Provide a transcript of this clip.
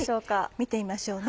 見てみましょうね。